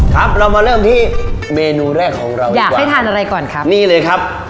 ครับเรามาเริ่มที่เมนูแรกของเราอยากให้ทานอะไรก่อนครับนี่เลยครับ